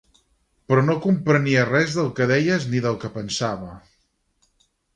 Però no comprenia res del que deies ni del que pensava.